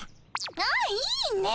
ああいいね。